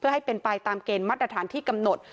ให้เป็นไปตามเกณฑ์มาตรฐานที่กำหนด